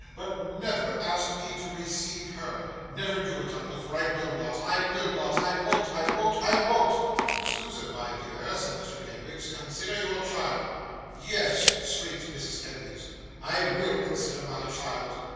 But never ask me to receive HER, never do it, uncle. For I will not, I will not, I won't, I won't, I won't!' 'Susan, my dear,' said Mr. Kenwigs, 'consider your child.' 'Yes,' shrieked Mrs. Kenwigs, 'I will consider my child!